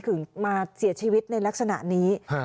มาเสียชีวิตในลักษณะนี้